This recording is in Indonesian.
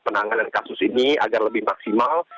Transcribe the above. penanganan kasus ini agar lebih maksimal